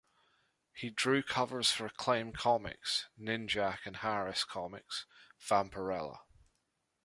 He drew covers for Acclaim Comics' "Ninjak" and Harris Comics' "Vampirella".